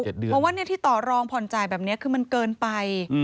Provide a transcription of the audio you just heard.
เพราะว่าที่ต่อรองผ่อนจ่ายแบบนี้คือมันเกินไป